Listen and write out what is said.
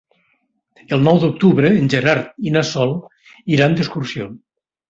El nou d'octubre en Gerard i na Sol iran d'excursió.